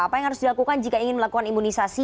apa yang harus dilakukan jika ingin melakukan imunisasi